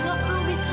makanannya gak enak ya